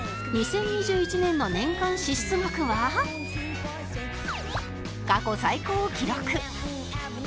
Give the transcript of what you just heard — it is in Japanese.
２０２１年の年間支出額は過去最高を記録